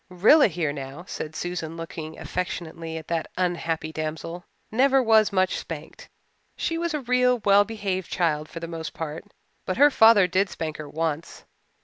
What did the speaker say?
"Rilla here, now," said Susan, looking affectionately at that unhappy damsel, "never was much spanked. She was a real well behaved child for the most part. But her father did spank her once.